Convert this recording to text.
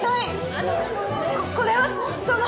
あのこれはその。